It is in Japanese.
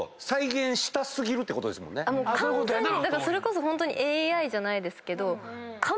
完全にそれこそホントにＡＩじゃないですけど。